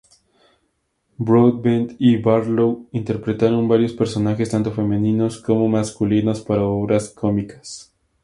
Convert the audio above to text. Broadbent y Barlow interpretaron varios personajes, tanto femeninos como masculinos, para obras cómicas.